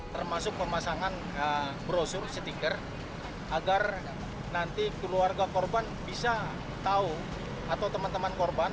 termasuk pemasangan brosur stiker agar nanti keluarga korban bisa tahu atau teman teman korban